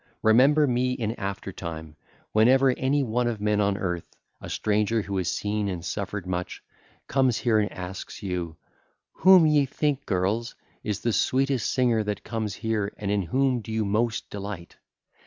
Remember me in after time whenever any one of men on earth, a stranger who has seen and suffered much, comes here and asks of you: 'Whom think ye, girls, is the sweetest singer that comes here, and in whom do you most delight?